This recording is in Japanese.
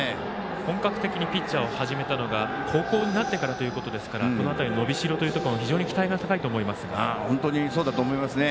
本格的にピッチャーを始めたのが高校になってからということですからこの辺り、伸びしろというところ非常に期待が高いと思いますが。